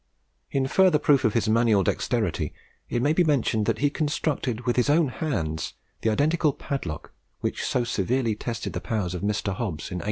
In further proof of his manual dexterity, it may be mentioned that he constructed with his own hands the identical padlock which so severely tested the powers of Mr. Hobbs in 1851.